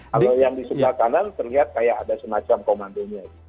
kalau yang di sebelah kanan terlihat kayak ada semacam komandonya